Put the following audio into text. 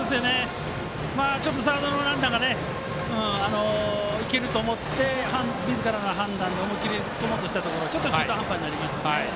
サードのランナーがいけると思ってみずからの判断で思いっきり突っ込もうとしたところ中途半端になりましたね。